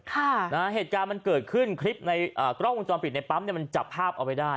ค่ะนะฮะเหตุการณ์มันเกิดขึ้นคลิปในอ่ากล้องวงจรปิดในปั๊มเนี่ยมันจับภาพเอาไว้ได้